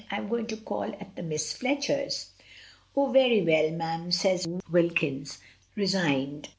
"I am going to call at the Miss Fletchers'." "Oh! very well, mem," says Wilkins, resigned.